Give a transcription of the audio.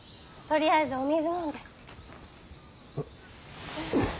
とりあえずお水飲んで。